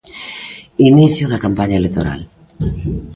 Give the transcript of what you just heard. Inicio da campaña electoral.